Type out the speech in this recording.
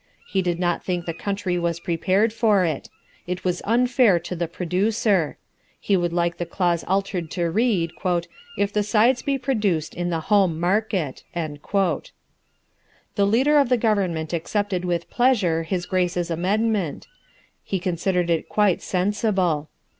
He did not think the country was prepared for it. It was unfair to the producer. He would like the clause altered to read, "if the sides be produced in the home market." The Leader of the Government accepted with pleasure His Grace's amendment. He considered it quite sensible.